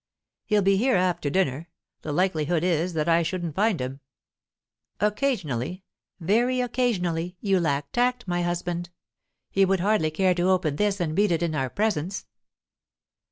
"He'll be here after dinner; the likelihood is that I shouldn't find him." "Occasionally very occasionally you lack tact, my husband. He would hardly care to open this and read it in our presence."